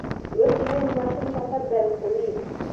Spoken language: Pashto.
لوستې میندې د ماشوم احساسات درک کوي.